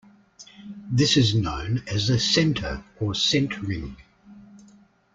This is known as a centre or centring.